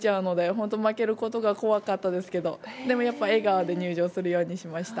本当に負けることが怖かったですけどでも、やっぱり笑顔で入場するようにしました。